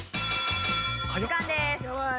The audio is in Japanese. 時間です。